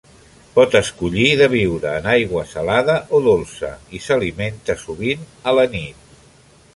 Pot escollir de viure en aigua salada o dolça, i s'alimenta, sovint, a la nit.